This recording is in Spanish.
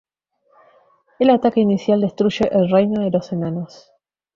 El ataque inicial destruye el reino de los enanos.